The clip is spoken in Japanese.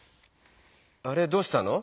あれどうしたの？